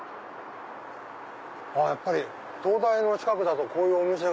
あっやっぱり東大の近くだとこういうお店が。